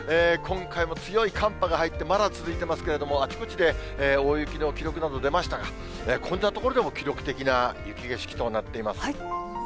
今回も強い寒波が入って、まだ続いてますけれども、あちこちで大雪の記録など出ましたが、こんな所でも記録的な雪景色となっています。